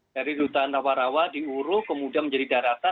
dari rutan rawarawa diuruk kemudian menjadi daratan